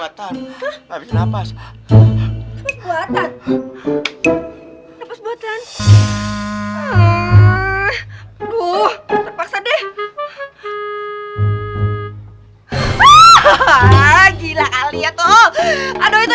aduh bagaimana nih